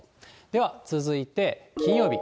では続いて金曜日。